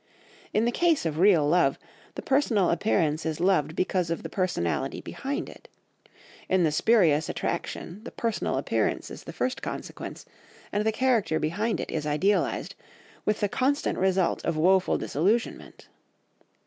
In the case of real love, the personal appearance is loved because of the personality behind it; in the spurious attraction the personal appearance is the first consequence, and the character behind it is idealised, with the constant result of woeful disillusionment.